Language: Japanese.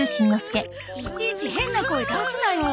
いちいち変な声出すなよ。